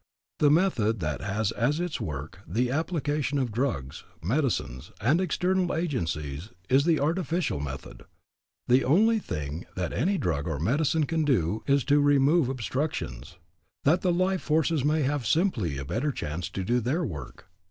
The method that has as its work the application of drugs, medicines and external agencies is the artificial method. The only thing that any drug or any medicine can do is to remove obstructions, that the life forces may have simply a better chance to do their work.